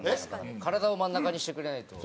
体を真ん中にしてくれないと。